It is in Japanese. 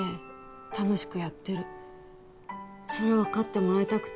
それをわかってもらいたくて。